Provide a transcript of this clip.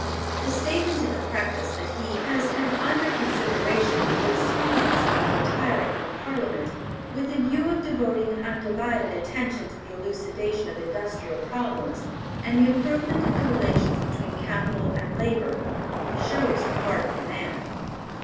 The statement in the preface that he "has had under consideration the expediency of retiring from Parliament, with the view of devoting an undivided attention to the elucidation of industrial problems, and the improvement of the relations between capital and labor," shows the heart of the man.